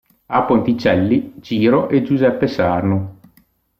A Ponticelli, Ciro e Giuseppe Sarno.